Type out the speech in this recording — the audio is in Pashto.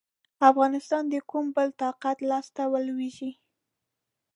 افغانستان د کوم بل طاقت لاسته ولوېږي.